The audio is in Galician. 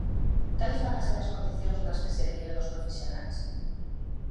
¿Cales van ser as condicións nas que se deriven os profesionais?